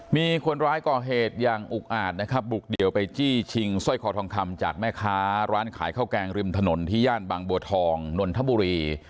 มีคนร้ายก่อเหตุอย่างอุกอาจนะครับบุกเดี่ยวไปจี้ชิงสร้อยคอทองคำจากแม่ค้าร้านขายข้าวแกงริมถนนที่ย่านบางบัวทองนนทบุรี